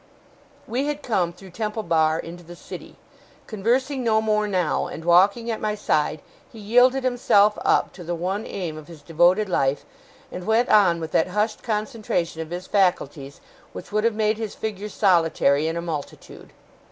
We had come, through Temple Bar, into the city. Conversing no more now, and walking at my side, he yielded himself up to the one aim of his devoted life, and went on, with that hushed concentration of his faculties which would have made his figure solitary in a multitude.